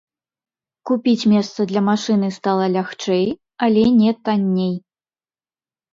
Купіць месца для машыны стала лягчэй, але не танней.